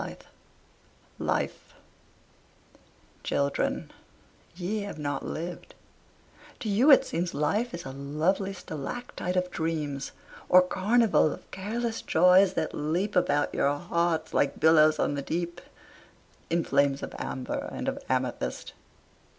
LIFE Children, ye have not lived, to you it seems Life is a lovely stalactite of dreams, Or carnival of careless joys that leap About your hearts like billows on the deep In flames of amber and of amethyst.